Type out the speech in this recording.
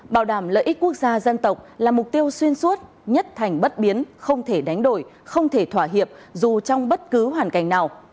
bảo đảm lợi ích quốc gia dân tộc là mục tiêu xuyên suốt nhất thành bất biến không thể đánh đổi không thể thỏa hiệp dù trong bất cứ hoàn cảnh nào